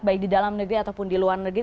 baik di dalam negeri ataupun di luar negeri